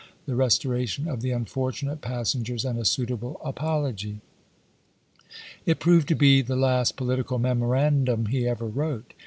the restoration of the unfortunate passengers and a suitable apology. It proved to be the last political memorandum he ever wrote.